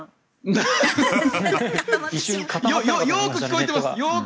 よく聞こえてますよ。